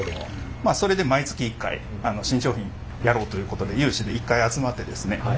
まあそれで毎月１回新商品やろうということで有志で一回集まってですねはい。